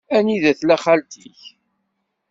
Anida tella xalti-k?